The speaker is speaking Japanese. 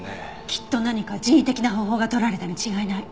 きっと何か人為的な方法が取られたに違いない。